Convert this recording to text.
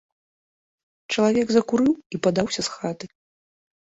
Чалавек закурыў і падаўся з хаты.